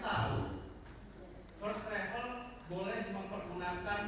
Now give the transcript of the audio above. atau sudah cukup silahkan